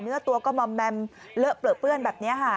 เนื้อตัวก็มอมแมมเลอะเปลือเปื้อนแบบนี้ค่ะ